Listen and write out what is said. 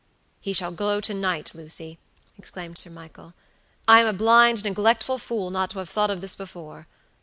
"He shall go to night, Lucy," exclaimed Sir Michael. "I am a blind, neglectful fool not to have thought of this before.